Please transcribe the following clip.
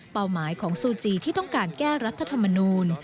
หมายของซูจีที่ต้องการแก้รัฐธรรมนูล